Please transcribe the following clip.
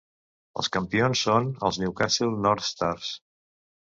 Els campions són els Newcastle Northstars.